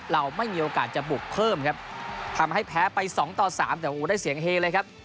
เราไม่มีโอกาสจะบุกเพิ่มครับทำให้แพ้ไปสองต่อสามแต่โอ้โหได้เสียงเฮเลยครับ